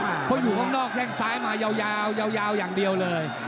เเพราะอยู่ข้างนอกแน่นใกล้ศาสตร์มายาวอย่างเดียวเลย